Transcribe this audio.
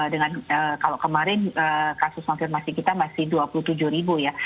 dengan kalau kemarin kasus konfirmasi kita masih dua puluh tujuh ribu ya